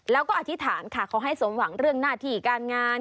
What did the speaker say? แล้วก็อธิษฐานค่ะขอให้สมหวังเรื่องหน้าที่การงาน